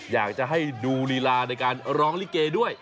อยากจะให้ดูลีลาในการร้องลิเกด้วย